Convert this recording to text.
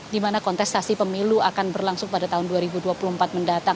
di mana kontestasi pemilu akan berlangsung pada tahun dua ribu dua puluh empat mendatang